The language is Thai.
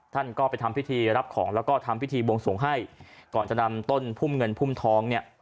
ท่านก็ไปทำพิธีรับของแล้วก็ทำพิธีบวงสวงให้ก่อนจะนำต้นพุ่มเงินพุ่มทองเนี่ย